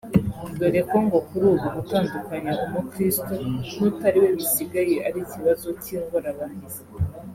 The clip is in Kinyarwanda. dore ko ngo kuri ubu gutandukanya umukristo n’utari we bisigaye ari ikibazo cy’ingorabahizi